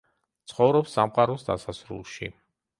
ცხოვრობს სამყაროს დასასრულში.